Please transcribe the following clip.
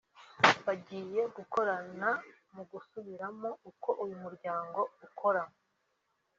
bagiye gukorana mu gusubiramo uko uyu muryango ukora